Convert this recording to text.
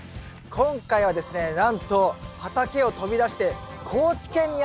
今回はですねなんと畑を飛び出して高知県にやってまいりました。